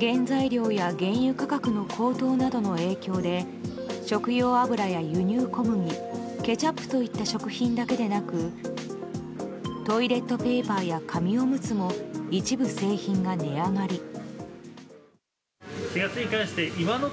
原材料や原油価格の高騰などの影響で食用油や輸入小麦、ケチャップといった食品だけでなくトイレットペーパーや紙おむつも一部製品が値上がり。